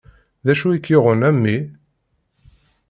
D acu i k-yuɣen a mmi?